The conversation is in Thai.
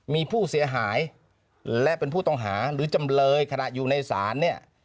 มีผู้เสียหายและเป็นผู้ต้องหาหรือจำเลยขณะอยู่ในศาลเนี่ย